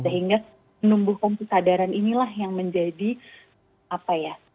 sehingga penumbuh komputer sadaran inilah yang menjadi apa ya